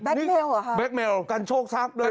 แบ็คเมลหรอครับแบ็คเมลกันโชคทรัพย์เลยหรอ